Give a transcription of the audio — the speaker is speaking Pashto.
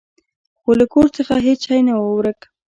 خو له کور څخه هیڅ شی نه و ورک.